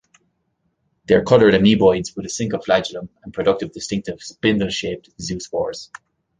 They are colored amoeboids with a single flagellum, and produce distinctive spindle-shaped zoospores.